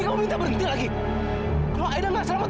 kamu kamu tahan aida kamu harus kuat